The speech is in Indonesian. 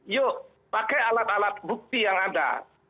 yuk pakai alat alat bukti yang ada